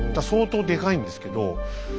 相当でかいんですけど。